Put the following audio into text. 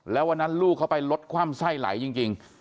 แล้ววันนั้นลูกเขาไปลดคว่ำไส้ไหลจริง